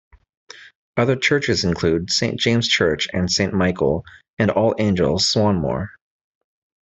Other churches include Saint James Church and Saint Michael and All Angels, Swanmore.